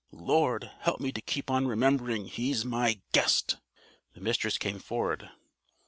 "Lord, help me to keep on remembering he's my GUEST!" The Mistress came forward.